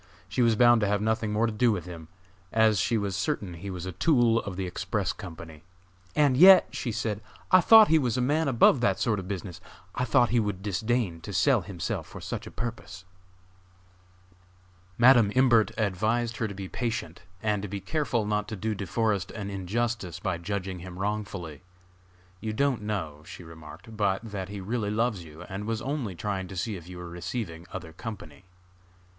She was bound to have nothing more to do with him, as she was certain he was a tool of the Express Company. "And yet," she said, "I thought he was a man above that sort of business! I thought he would disdain to sell himself for such a purpose." Madam Imbert advised her to be patient, and to be careful not to do De Forest an injustice by judging him wrongfully. "You don't know," she remarked, "but that he really loves you, and was only trying to see if you were receiving other company."